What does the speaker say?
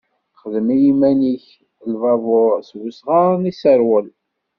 Xdem i yiman-ik lbabuṛ s wesɣar n iseṛwel.